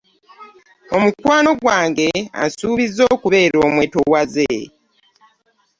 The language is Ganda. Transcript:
Omukwano gwange ansuubiza okubeera omwetowaze.